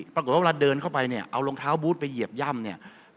ปรากฏว่าเวลาเดินเข้าไปเนี่ยเอารองเท้าบูธไปเหยียบย่ำเนี่ย